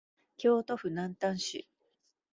京都府南丹市